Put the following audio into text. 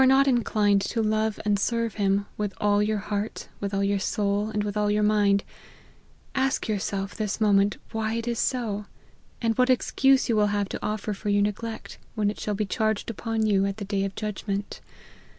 not inclined to love and serve him, " with all your heart, with all your soul, and with all your mind," ask yourself this moment why it is so, and what excuse you will have to offer for your neglect, when it shall be charged upon you at the day of judgment.